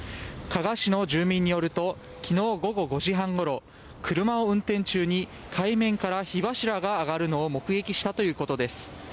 加賀市の住民によると昨日午後５時半ごろ車を運転中に海面から火柱が上がるのを目撃したということです。